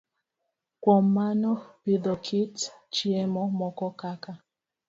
Kuom mano, pidho kit chiemo moko kaka